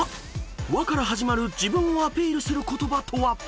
［「わ」から始まる自分をアピールする言葉とは？］